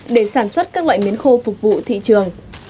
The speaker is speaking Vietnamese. để sản xuất các loại miến khô phục vụ thị trường